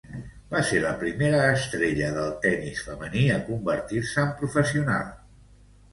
Va ser la primera estrella del tennis femení a convertir-se en professional.